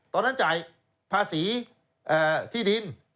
ตอนนั้นจ่ายภาษีที่ดิน